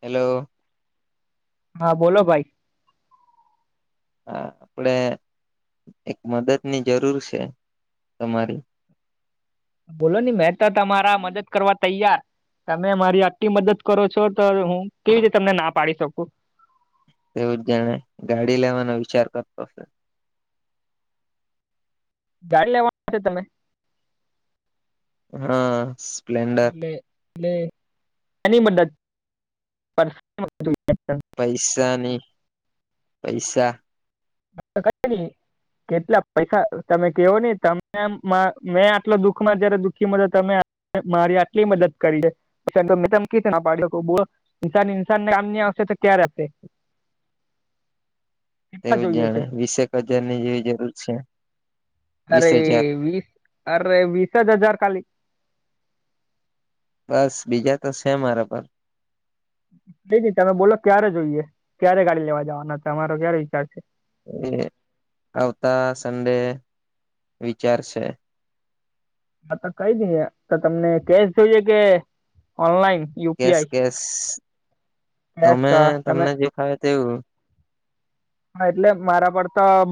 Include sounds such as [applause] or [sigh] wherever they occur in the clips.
Hello હા બોલો ભાઈ હા આપડે એક મદદની જરૂર છે તમારી બોલો ની મેં તો તમારા મદદ કરવા તૈયાર તમે મારી આટલી મદદ કરો છો તો હું કેવી રીતે તમને ના પાડી શકું તેવું જ જાણે ગાડી લેવાનો વિચાર કરતો શે ગાડી લેવા છે તમે હા સ્પ્લેન્ડર ટલે ટલે એની મદદ [unintelligible] પૈસાની પૈસા [unintelligible] કેટલા પૈસા તમે કેવો ની તમે આમ માં મેં આટલો દુખમાં જયારે દુઃખી માં ત તમે મારી આટલી મદદ કરી છે [unintelligible] પાડ્યો ઇન્સાન ઇન્સાન ને કામની આવશે તો ક્યારે આપશે કેટલા એવું જ જોઈએ છે જાણે વીસેક હજાર ની જેવી જરૂર છે વીસ અરે હજાર વીસ અરે વીસ જ હજાર ખાલી બસ બીજા તો છે મારા પર નઈ ન તમે બોલો ક્યારે જોઈએ ક્યારે ગાડી લેવા જવાના હતા તમારો ક્યારે વિચાર છે એ આવતા સંડે વિચારશે હા તો કઈ દી છે તો તમને કેશ જોઈએ કે online cash UPI cash cash તમે તો તમે તમને જે ફાવે તેવું હા એટલે મારા પડતા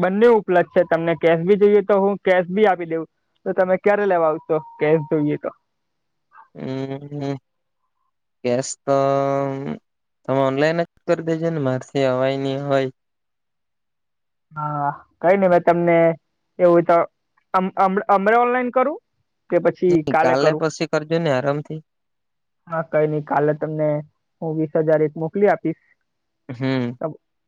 બંને ઉપલબ્ધ છે તમને કેશ બી જોઈએ તો હું કેશ બી આપી દેઉ તો તમે ક્યારે લેવા આવશો કેસ જોઈએ તો હમ્મ હ કેસ તો તમે ઓનલાઈન જ કરી દેજો ને માર અવાય ની અવાય હા કઈ નહી મે તમને એવું તો અમ અમ હમણાં ઓનલાઈન કરું કે પછી કાલે કરું પછી કરજો ને આરામથી હા કઈ નઈ કાલે તમને હું વીસ હજાર એક મોકલી આપીશ હમ્મ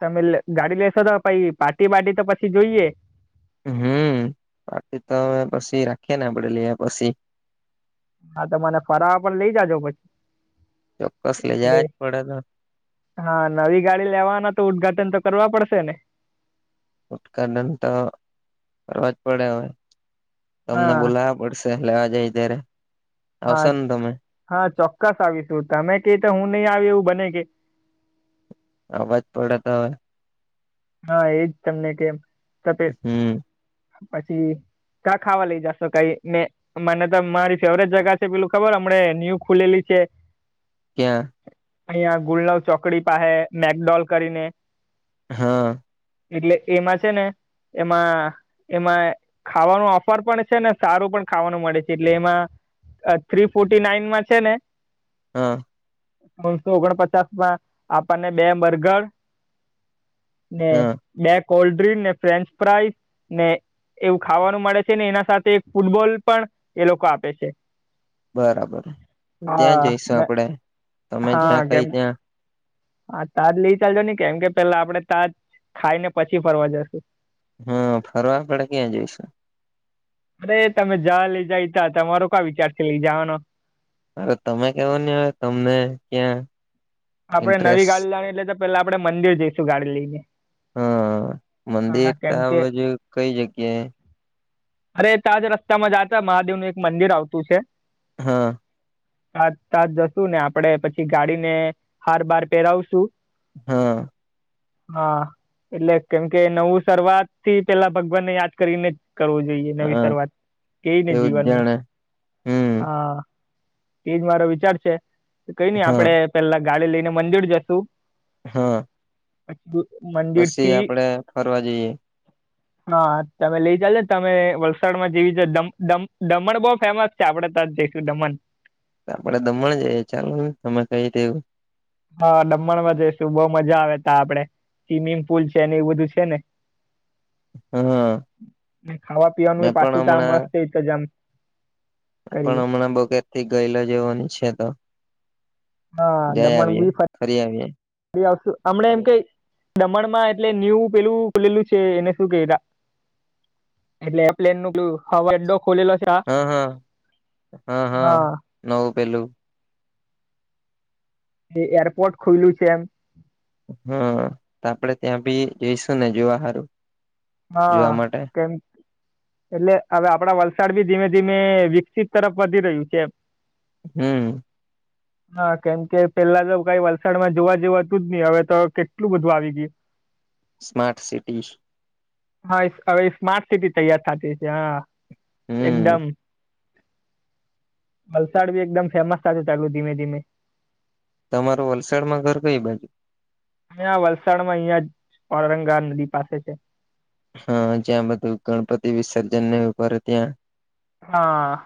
તમે ગાડી લેશો તો પાટી બાટી તો પછી જોઈએ હમ્મ પાટી તો અમે પછી રાખીએ ને આપડે લિયા પછી હા તો મને ફરવા પણ લઈ જાજો પછી ચોક્કસ કેમ લેજા કે યજ પડે ને હા નવી ગાડી લેવાના તો ઉદઘાટન તો કરવા પડશે ને ઉદઘાટન તો કરવા જ પડે હવે તમને હા બોલાવવા પડશે લેવા જાય ત્યારે હા આવશો ને તમે હા ચોક્કસ આવીશું તમે ક તો હું નહી આવી એવું બને કે અવાજ પડત હ હા એજ તમને કેે હમ પછી ક ખાવા લય જશો કઈ ને મને તો મારી ફેવરેટ જગા છે પેલું ખબર હમ્મ ન્યુ ખુલેલી છે ક્યાં અહિયાં ગુલનવ ચોકડી પાસે મેકડોલ કરીને હા એટલે એમાં છે ને એમાં એમાં ખાવાનું ઓફર પણ છે ને સારું પણ ખાવાનું મળે છે એટલે એમાં થ્રી ફોર્ટી નાઈન માં છે ને હા ત્રણસો ઓગણપચાસ માં આપણને બે બર્ગર ને હા બે કોલ્ડ ડ્રિંક ને ફ્રેન્ચ ફ્રાઈસ ને એવું ખાવાનું મળે છે ને એના સાથે ફૂટબોલ પણ એ લોકો આપે છે બરાબર ત્યાં જઈશું હા આપડે તમે હા જ્યાં કઈ કેમ ત્યાં હા તાજ લઈ ચાલજો ને કેમ કે પેલા આપડે તાજ ખાઈને પછી ફરવા જશુ હમ્મ ફરવા આપડે ક્યાં જઈશું અરે તમે જા લઈ જાય તા તમારો કા વિચાર છે લઈ જવાનો અરે તમે કેવો નહી હ તમને ક્યાં આપડણે નવી ઇન્ટરેસ્ટ ગાડી લા એટલે તો પેલા આપડે મંદિર જઈશું ગાડી લઈને હા હા મંદિર તો કેમ કે આજ કઈ જગ્યાએ અરે ત્યાંજ રસ્તામાં જતા મહાદેવ નું એક મંદિર આવતું છે હા હાજ તાજ જશુ ને આપડે પછી ગાડીને હાર બાર પહેરાવશું. હા. હા એટલે કેમ કે નવું શરૂઆત થી પેલા ભગવાનને યાદ કરીને કરવું જોઈએ નવી હા શરૂઆત એજ ને તેવું જ જીવનમાં જાણે હમ હા એજ મારો વિચાર છે કઈ નઈ હા આપડે પેલા ગાડી લઈને મંદિર જશું. હા. પછી પછી મંદિરથી આપડે ફરવા જઈએ હા તમે લઇ ચાલ ને તમે વલસાડ માં જેવી છે દમણ દમણ બહુ ફેમસ આપડે ત જઈશું દમન આપડે દમણ જઈએ ચાલો તમે કઈ દેવું. હા દમણમાં જઈશું બઉ મજા આવે ત આપડે સ્વિમિંગ પુલ છે ને એવું બધું છે ને હા ખાવા મેં પીવાનું પણ પાછું ત્યા આ હમણાં મસ્ત ઈત જામ પણ હમણાં બગેર થી ગયેલો જેવા છે તો હા જઈ દમણ આવીએે બી ફરી આવીએ. ફરી આવશ હમને એમ કઈ દમણ માં એટલે ન્યુ પેલું ખુલેલું છે એને શું કેતા એટલે એરપ્લેન ન હવા અડ્ડો ખોલેલો છે. આ હા હા હા હા નવું પેલું. એ એરપોર્ટ ખોલું છે એમ હા આપડે ત્યાં ભી જઈશું ને જોવા સારું હા કેમ એટલે હવે આપડા વલસાડ બી ધીમે ધીમે વિકસિત તરફ વધી રહ્યું છે. હમ. [inaudible] હા કેમ કે પેલા તો કઈ વલસાડમાં જોવા જવાતું જ નહી હવે તો કેટલું બધું આવી ગયું. સ્માર્ટ સિટી હા હવે સ્માર્ટ સિટી તૈયાર થતી છે હા હમ એકદમ વલસાડી એકદમ ફેમસ થ ચાલુ ધીમે ધીમે તમારું વલસાડ માં ઘર કઈ બાજુ. અ વલસાડમાં અહિયાં ઔરંગા નદી પાસે છે. હા જ્યાં બધું ગણપતિ વિસર્જન નહી કરરે ત્યાં હા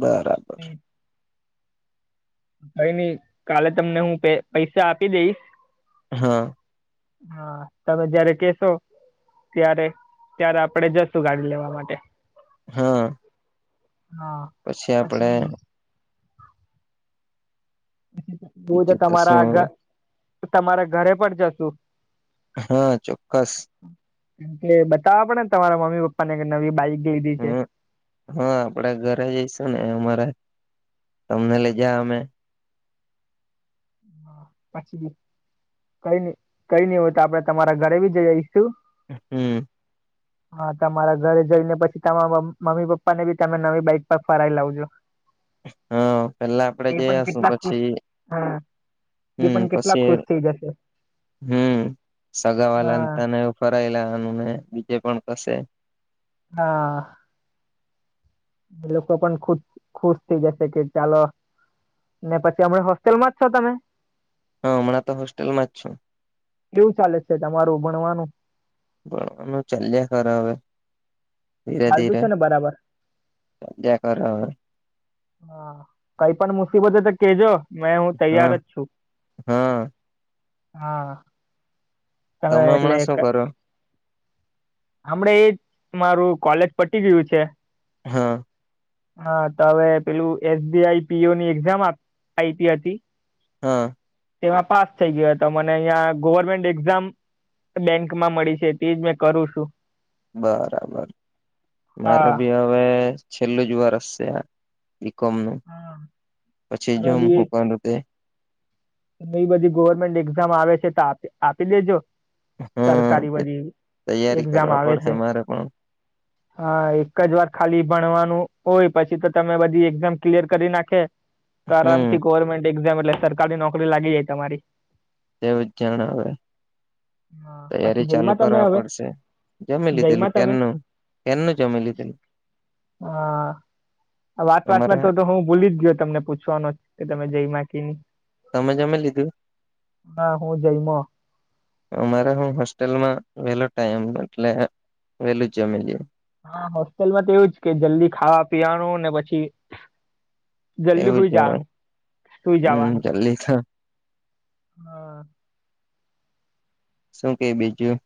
બરાબર હમ. કઈ નઈ કાલે તમને હું પૈસા આપી દઈશ હા. હા. હા તમે જયારે કેશો ત્યારે ત્યારે આપડે જશું ગાડી લેવા માટે હા હા પછી આપડે હું તો બીજું શું તમારા હવે? ઘર તમારા ઘરે પણ જશુ. હા ચોક્કસ કે બતાવવા પડેને તમારા મમ્મી પપ્પા ને નવી બાઈક લીધી છે. હમ હા આપડે ઘરે જઈશું ને અમારા તમને લઇ જ અમે પછી કઈ નઈ કઈ નઈ હોય તો આપડણે તમારા ઘરે બી જ જઈશું. હમ. હા તમારા ઘરે જઈને પછી તમા મમ્મી પપ્પાને બી નવી બાઈક પર ફરાવી લાવજો [inaudible] હા પેલા આપડે એ પણ જઈયાશુ કેટલા ખુશ પછી હા એ હમ પણ કેટલા પછી ખુશ થઈ જશે હમ સગાવાલા હા તને ફરાયેલાવાનુંને બીજે પણ કસે હા લોકો પણ ખુશ ખુશ થઈ જશે કે ચાલો ને પછી હમણા હોસ્ટેલમાં જ છો તમે હા હમણાં તો હોસ્ટેલમાં જ છું કેવું ચાલે છે તમારું ભણવાનું. ભણવાનું ચાલ્યા કરા હવે ચાલતું ધીરે-ધીરે, છે ને બરાબર સધ્યા કર હ, હા કઈ પણ મુસીબતે તો કેજો મેં હું હવે તૈયાર હા જ છું. હા હા. તમે હમણા શું કરો? હમણે એજ મારું કોલેજ પટી ગયું છે. હા. હા તો હવે પેલું એસબીઆઈ પીઓની એક્ઝામ આઈ આઈપી હતી. હા. તેમાં પાસ થઈ ગયો હતો મને અહીંયા ગવર્મેન્ટ એક્ઝામ. બેંક માં મળી છે તેજ મેં કરું છું. બરાબર મારે હા ભી હવે છેલ્લું જ વર્ષ છે. બીકોમ નું પછી હવે જોમ બી હું કારૂ તે, એ બધી ગવર્મેન્ટ એક્ઝામ આવે છે તો આપ આપી દેજો. સરકારી હા બધી તૈયારી એક્ઝામ કરવા આવે પડહે છે. મારે પણ હા એક જ વાર ખાલી ભણવાનું હોય પછી તો તમે બધી એઝામ ક્લિયર કરી નાખે. હમ કારણથી ગવર્મેન્ટ એક્ઝામ એટલે સરકારી નોકરી લાગી જાય તમારી. તેવું જણાવે, હા પછી તૈયારી ચાલુ જઈમાં તમે કરવા હવે પડશે, જમી જયમાં લીધેલું તમે કેનનું કેનનું જમી લીધેલું. હા વાત અમારે વાતમાં તો તો હું ભૂલી જ ગયો તમને પૂછ ન કે તમે જઈ મા ક ની. તમે જમી લીધું. હા હું જયમો અમારે હું હોસ્ટેલમાં વેલો ટાઈમ એટલે વેલું જમી લેઓ. હા હોસ્ટેલમાં તો એવું જ કે જલ્દી ખાવા પીવાનું ને પછી. જલ્દી સુઈ જવાનું, સુઈ જવાનું. એ લ હ, હા. શું કે બીજું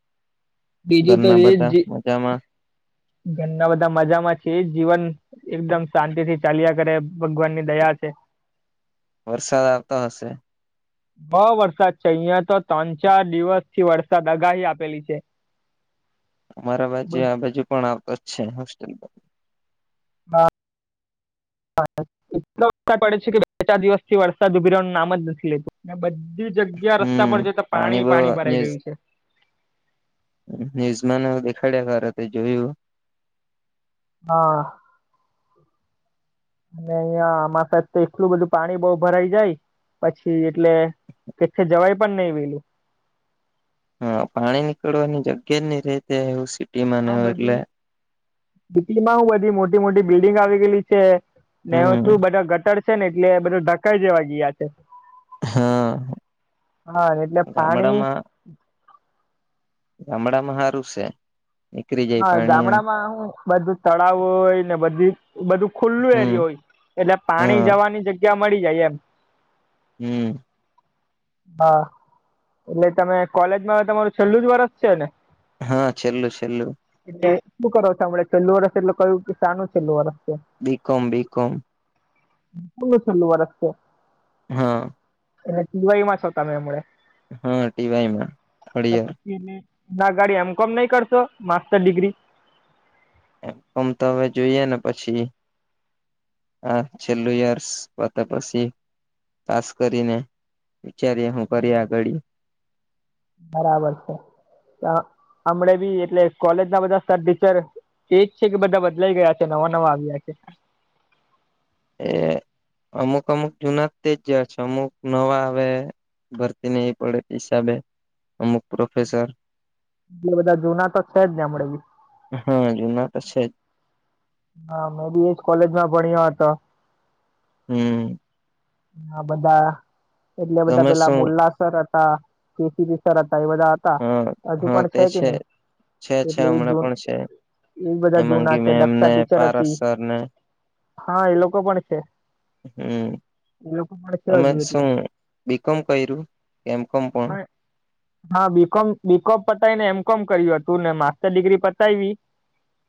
બીજું તો ઘરના એજ બધા જે મજામાં. ઘરના બધા મજામાં છે જીવન, એકદમ શાંતિ થી ચાલ્યા કરે ભગવાન ની દયા છે. વરસાદ આવતો હશે. બ વરસાદ છે અહિયાં તો ત્રણ ચાર દિવસ થી વરસાદ આગાહી આપેલી છે. અમારા બાજુ બ આ બાજુ પણ આ જ છે હોસ્ટલ પ અ એટલો વરસાદ પડે છે કે બે ચાર દિવસ થી વરસાદ ઉભી રહેવાનું નામ જ નથી લેતું. બધી જગ્યા રસ્તા હમ પર જ તો પાણી બ પાણી ભરાઈ ગયું છે. ન્યૂઝ માને દેખાડ્યા કર તે જોયું. હા. અને અહિયાં આમા સાથે એટલું બધું પાણી બહુ ભરાઈ જાય પછી એટલે, કેછે જવાઈ પણ નહીં વેલું. હા પાણી નીકળવાની જગ્યા જ નઈ રે તે એવું શ હા બધી, સીટીમાં હું બધી મોટી મોટી બિલ્ડિંગ આવી ગયલી છે. ને એ હમ શું બધા ગટર છે ને એટલે બધા ધકાઈ જેવા ગયા છે. હા હા એટલે પાણી ગામડામાં, ગામડામાં હારું સે. હા ગામડામાં હું બધું તળાવ હોય ને બધી બધું ખુલ્લું હમ એરિયો હોય. એટલે પાણી હા જવાની જગ્યા મળી જાય એમ. હમ્મ. હા. એટલે તમે કોલેજમાં હવે તમારું છેલ્લું જ વરસ છે ને? હા, છેલ્લુ-છેલ્લું. એટલે શું કરો છો હમણે છેલ્લું વર્ષ એટલું કયું કે શાનું છેલ્લું વર્ષ છે? બી કોમ, બી કોમ. [unintelligible] છેલ્લું વરસ છે. હા. એટલે ટી વાયમાં છો તમે હમણે? હા ટી વાય માં થર્ડ યર. હમ્મ-હમ્મ. ના અગાડી એમ કોમ નહીં કરશો? Master degree? એમ કોમ તો હવે જોઈએ ને પછી. આ છેલ્લું યર્સ પતે પછી પાસ કરીને વિચારીએ હું કરીએ આગાડી. બરાબર છે. [unintelligible] અમણે બી એટલે કોલેજ ના બધા સર ટીચર કેય જ છે કે બધા બદલાઈ ગયા છે, નવા-નવા આવ્યા છે. એ અમુક-અમુક જુના તે જયાં છે. અમુક નવા આવે ભરતી નહીં પડે હિસાબે અમુક પ્રોફેસર એટલે બધા જૂના તો છે જ નેં હમણે બી. હા જુના તો છે જ. હા મેં બી એજ કોલેજમાં ભણ્યા હતો. હમ્મ. આ બધા એટલે બધા તમે પેલા શું મુલ્લા સર હતા, [unintelligible] સર હતા એ બધા તા. હા હજુ હા પણ તે છે કી નહીં? છે છે એટલે ઈ હમણાં જૂન પણ છે એઈ બધા જૂના હેમાંગી છે, મેમ દક્ષા ને ટીચર પારસ હતી. સર ને હા ઈ લોકો પણ છે. હમ્મ. એ લોકો પણ છે તમે હજુ એટલે શું બી કોમ કયરું? એમ કોમ [unintelligible] [unintelligible] હા બી કોમ બી કોમ પતાઈને એમ કોમ કર્યું હતું ને માસ્ટર ડિગ્રી પતાઈવી.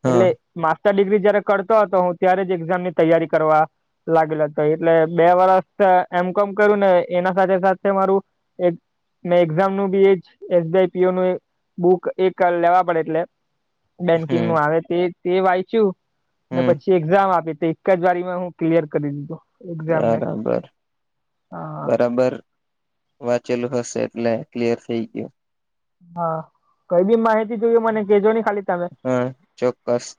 હા એટલે માસ્ટર ડિગ્રી જયારે કરતો હતો હું ત્યારે જ એક્ઝામ ની તૈયારી કરવા લાગેલો હતો એટલે બે વર્ષ એમ કોમ કર્યું ને એના સાથે-સાથે મારું એક મેં એક્ઝામ નું B H S Y P O નું બુક એક લેવા પડે એટલે બેંકિંગ હમ નું આવે તે-તે વાંયચું ને હમ પછી એક્ઝામ આપી તે એક જ વારીમાં હું ક્લિયર કરી દીધો. હા બરાબર-બરાબર. વાંચેલું હશે એટલે ક્લિયર થઈ ગયું. હા. કંઈ બી માહિતી જોઈએ મને કેજો ને ખાલી તમે હા, ચોક્કસ.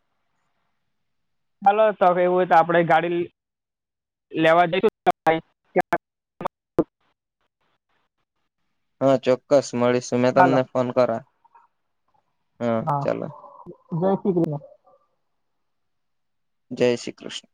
ચાલો તો હવે એવું હોય તો આપણેે ગાડી લેવા [unintelligible] હા ચોક્કસ મળીશું. મેં ચાલો તમને ફોન કરા. હા. જય શ્રી ક્રિના. જય શ્રી કૃષ્ણ.